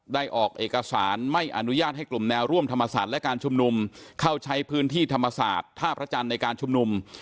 ออกเอกสารไม่อนุญาตให้กลุ่มแนวร่วมธรรมศาสตร์และการชุมนุมเข้าใช้พื้นที่ธรรมศาสตร์ท่าพระจันทร์ในการชุมนุม